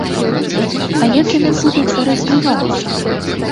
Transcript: А як яны будуць развівацца?